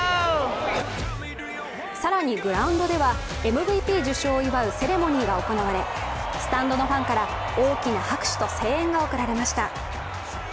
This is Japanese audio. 更に、グラウンドではＭＶＰ受賞を祝うセレモニーか行われスタンドのファンから大きな拍手と声援が送られました。